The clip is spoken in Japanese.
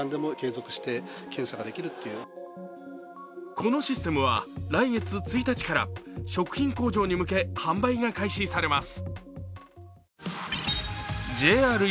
このシステムは来月１日から食品工場に向け、販売が開始されます。